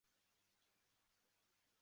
贝克的音乐生涯始于教堂合唱团。